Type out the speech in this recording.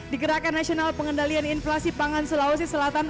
di gerakan nasional pengendalian inflasi pangan sulawesi selatan